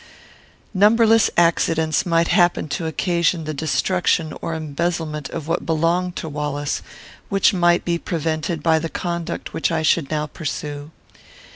Numberless accidents might happen to occasion the destruction or embezzlement of what belonged to Wallace, which might be prevented by the conduct which I should now pursue.